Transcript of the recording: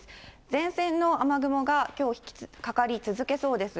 前線の雨雲がきょうかかり続けそうです。